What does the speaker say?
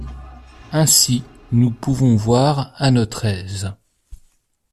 Ainsi nous pouvons voir à notre aise.